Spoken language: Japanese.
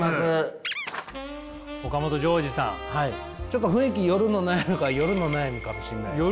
ちょっと雰囲気夜の夜の悩みかもしれないですね。